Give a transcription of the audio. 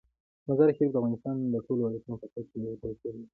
مزارشریف د افغانستان د ټولو ولایاتو په کچه یو توپیر لري.